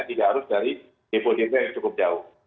tidak harus dari depo depo yang cukup jauh